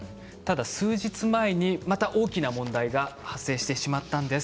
数日前に大きな問題が発生してしまったんです。